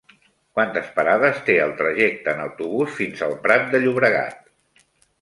Quantes parades té el trajecte en autobús fins al Prat de Llobregat?